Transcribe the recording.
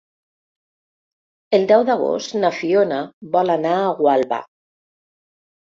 El deu d'agost na Fiona vol anar a Gualba.